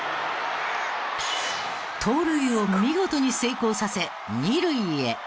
盗塁を見事に成功させ２塁へ。